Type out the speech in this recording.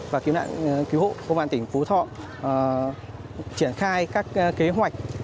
và cứu nạn cứu hộ công an tỉnh phú thọ